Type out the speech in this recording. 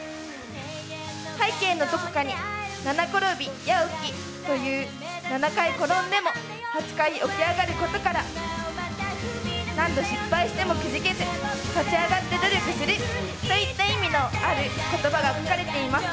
背景のどこかに「七転び八起き」という七回転んでも八回起き上がることから何度失敗しても、くじけず立ち上がって努力するといった意味のある言葉が書かれています。